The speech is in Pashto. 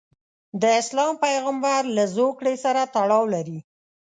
د اسلام پیغمبرله زوکړې سره تړاو لري.